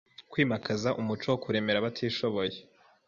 Kwimakaza umuco wo kuremera abatishoboye;